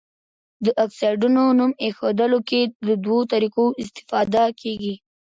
د اکسایډونو نوم ایښودلو کې له دوه طریقو استفاده کیږي.